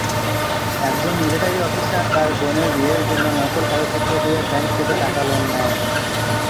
একজন military officer তার বোনের বিয়ের জন্য নকল কাগজপত্র দিয়ে ব্যাংক থেকে টাকা লোন নেয়।